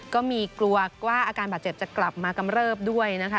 กลัวว่าอาการบาดเจ็บจะกลับมากำเริบด้วยนะคะ